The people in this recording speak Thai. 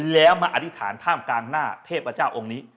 แล้วมาอธิษฐานท่ามกลางหน้าเทพเจ้าองค์นี้